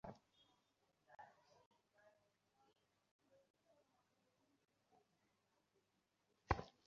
এখনি চলে আসবো আমি।